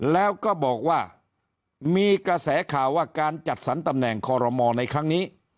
แล้วก็บอกว่ามีกระแสข่าวว่าการจัดสรรตำแหน่งคอรมอลในครั้งนี้